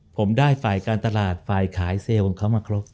ผมได้ฝ่ายการตลาดฝ่ายขายเซลล์ของเขามาครบ